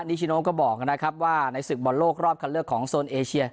ชิโนก็บอกนะครับว่าในศึกบอลโลกรอบคันเลือกของโซนเอเชีย